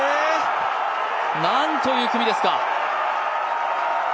何という組ですか。